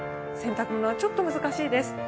洗濯物はちょっと難しいです。